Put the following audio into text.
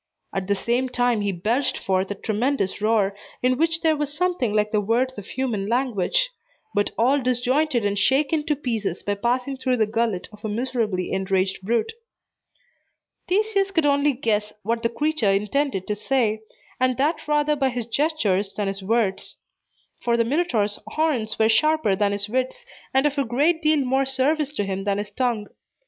At the same time, he belched forth a tremendous roar, in which there was something like the words of human language, but all disjointed and shaken to pieces by passing through the gullet of a miserably enraged brute. Theseus could only guess what the creature intended to say, and that rather by his gestures than his words; for the Minotaur's horns were sharper than his wits, and of a great deal more service to him than his tongue.